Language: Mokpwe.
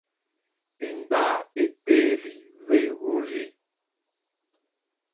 Èmgbâ èkpéélì wêhwórzí.